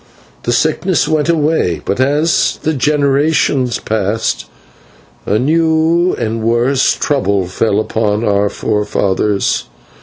The sickness went away, but as the generations passed a new and a worse trouble fell upon our forefathers.